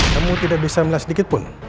namun tidak bisa melihat sedikitpun